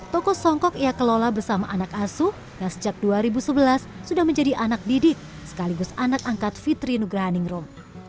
toko songkok ia kelola bersama anak asuh yang sejak dua ribu sebelas sudah menjadi anak didik sekaligus anak angkat fitri nugrahaningrum